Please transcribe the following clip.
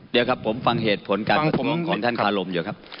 เดี๋ยวครับผมฟังเหตุผลการประท้วงของท่านคารมอยู่ครับ